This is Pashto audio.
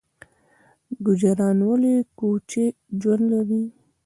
ګوجران ولې کوچي ژوند لري؟